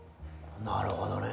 なるほどね。